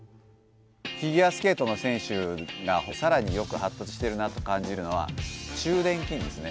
フィギュアスケートの選手がさらによく発達しているなと感じるのは中殿筋ですね。